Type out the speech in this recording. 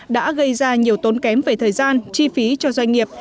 đã gây ra nhiều tốn kém về thời gian chi phí cho doanh nghiệp